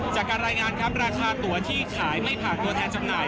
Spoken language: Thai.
จากการรายงานครับราคาตัวที่ขายไม่ผ่านตัวแทนจำหน่าย